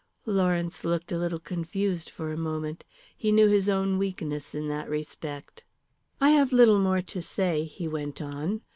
Lawrence looked a little confused for a moment. He knew his own weakness in that respect. "I have little more to say," he went on.